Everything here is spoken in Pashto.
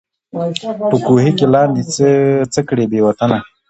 په کوهي کي لاندي څه کړې بې وطنه